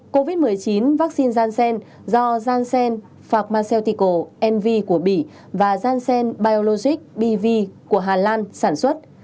sáu covid một mươi chín vaccine janssen do janssen pharmaceutical nv của bỉ và janssen biologic bv của hà lan sản xuất